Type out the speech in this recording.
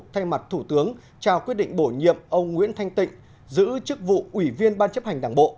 thay mặt thủ tướng trao quyết định bổ nhiệm ông nguyễn thanh tịnh giữ chức vụ ủy viên ban chấp hành đảng bộ